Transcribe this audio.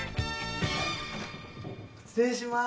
失礼します。